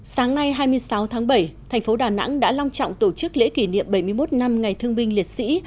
sáng nay hai mươi sáu tháng bảy thành phố đà nẵng đã long trọng tổ chức lễ kỷ niệm bảy mươi một năm ngày thương binh liệt sĩ